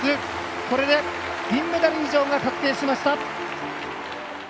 これで、銀メダル以上が確定しました。